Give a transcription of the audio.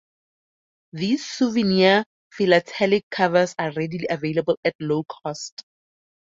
These souvenir philatelic covers are readily available at low cost.